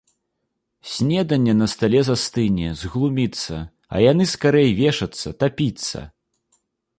Снеданне на стале застыне, зглуміцца, а яны скарэй вешацца, тапіцца!